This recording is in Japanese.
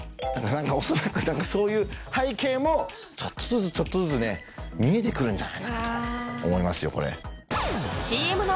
恐らくそういう背景もちょっとずつちょっとずつ見えて来るんじゃないかなと思いますよこれ。